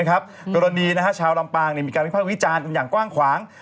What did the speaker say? ไปตอนนี้ชาวลำปางมีการบริพาทวิจารณ์อย่างกว้าง